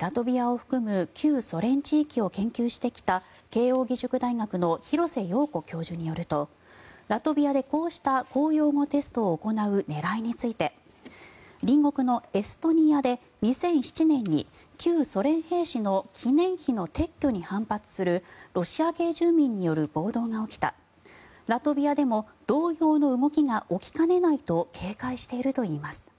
ラトビアを含む旧ソ連地域を研究してきた慶應義塾大学の廣瀬陽子教授によるとラトビアでこうした公用語テストを行う狙いについて隣国のエストニアで２００７年に旧ソ連兵士の記念碑の撤去に反発するロシア系住民による暴動が起きたラトビアでも同様の動きが起きかねないと警戒しているといいます。